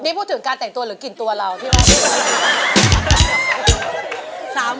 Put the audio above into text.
นี่พูดถึงการแต่งตัวหรือกลิ่นตัวเราพี่มอส